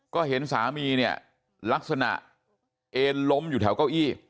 ก็เห็นสามีเนี่ยลักษณะเอ็นล้มอยู่แถวเก้าอี้